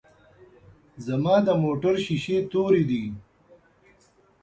ځما دموټر شیشی توری دی.